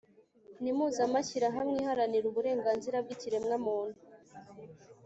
n'impuzamashyirahamwe iharanira uburenganzira bw'ikiremwamuntu